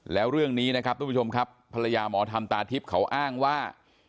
แล้วเรื่องนี้นะครับทุกผู้ชมครับภรรยาหมอธรรมตาทิพย์เขาอ้างว่า